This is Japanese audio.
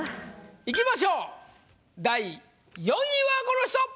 いきましょう第４位はこの人！